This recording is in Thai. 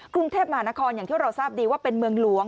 กรุงเทพมหานครอย่างที่เราทราบดีว่าเป็นเมืองหลวง